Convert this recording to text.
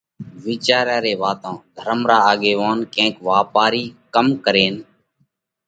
وِيچاريا ري واتون ڌرم را آڳيوونَ ڪينڪ واپارِي ڪم ڪرينَ